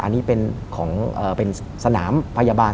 อันนี้เป็นสนามพยาบาล